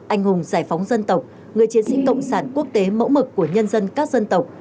anh hùng giải phóng dân tộc người chiến sĩ cộng sản quốc tế mẫu mực của nhân dân các dân tộc